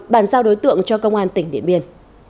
bàn giao đối tượng cho công an tỉnh điện biên